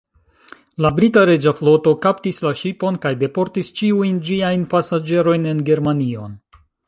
La brita Reĝa Floto kaptis la ŝipon, kaj deportis ĉiujn ĝiajn pasaĝerojn en Germanion.